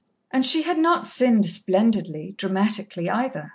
And she had not sinned splendidly, dramatically, either.